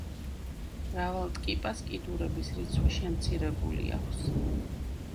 მრავალ ტკიპას კიდურების რიცხვი შემცირებული აქვს.